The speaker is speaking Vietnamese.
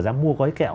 dám mua gói kẹo